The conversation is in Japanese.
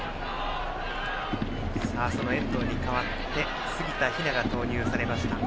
遠藤に代わって杉田妃和が投入されました。